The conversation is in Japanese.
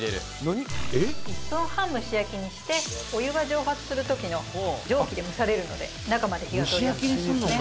「１分半蒸し焼きにしてお湯が蒸発する時の蒸気で蒸されるので中まで火が通りやすくなりますね」